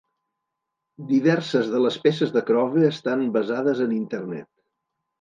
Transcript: Diverses de les peces de Crowe estan basades en internet.